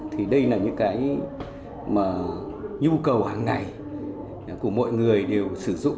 thì đây là những cái mà nhu cầu hàng ngày của mọi người đều sử dụng